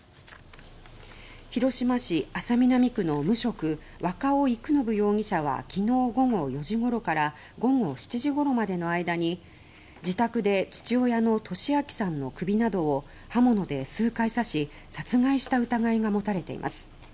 広島市安佐南区の無職若尾育伸容疑者は昨日午後４時ごろから午後７時ごろまでの間に自宅で父親の利明さんの首などを刃物で数回刺し殺害した疑いが持たれています。